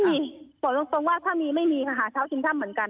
บอกตรงว่าถ้ามีไม่มีค่ะหาเช้ากินค่ำเหมือนกัน